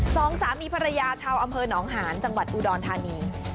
สองสามีภรรยาชาวอำเภอหนองหานจังหวัดอุดรธานี